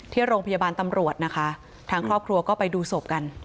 ที่โรงพยาบาลตำรวจนะคะทางครอบครัวก็ไปดูศพกัน